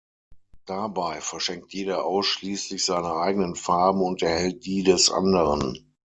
Dabei verschenkt jeder ausschließlich seine eigenen Farben und erhält die des anderen.